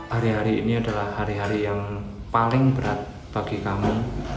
hari hari ini adalah hari hari yang paling berat bagi kamu